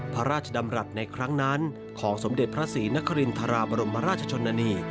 พระราชดำรัฐในครั้งนั้นของสมเด็จพระศรีนครินทราบรมราชชนนานี